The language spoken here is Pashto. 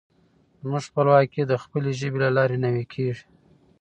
زموږ خپلواکي د خپلې ژبې له لارې نوي کېږي.